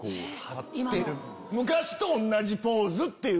昔と同じポーズっていう。